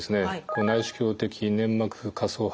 内視鏡的粘膜下層剥離術。